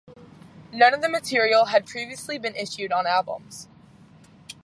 None of the material had previously been issued on albums.